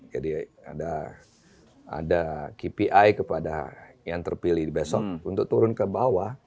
jadi ada kpi kepada yang terpilih di besok untuk turun ke bawah